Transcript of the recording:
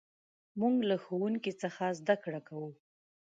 موږ له ښوونکي څخه زدهکړه کوو.